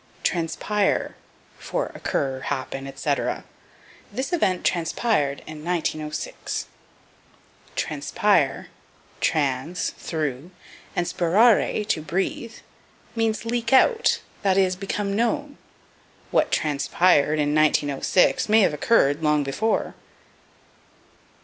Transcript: Transpire for Occur, Happen, etc. "This event transpired in 1906." Transpire (trans, through, and spirare, to breathe) means leak out, that is, become known. What transpired in 1906 may have occurred long before.